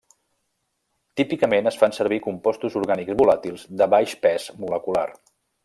Típicament, es fan servir compostos orgànics volàtils de baix pes molecular.